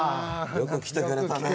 よく来てくれたね。